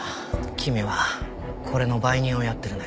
君はこれの売人をやってるね？